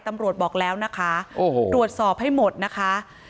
บอกแล้วนะคะโอ้โหตรวจสอบให้หมดนะคะ